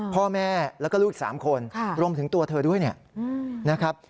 พ่อแม่แล้วก็ลูกอีก๓คนรวมถึงตัวเธอด้วยนะครับ